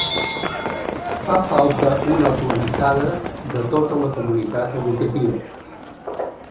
Fa falta una plantada de tota la comunitat educativa.